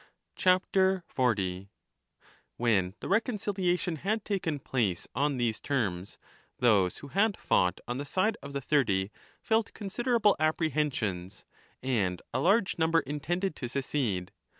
40 When the reconciliation had taken place on these terms, those who had fought on the side of the Thirty felt con siderable apprehensions, and a large number intended to secede.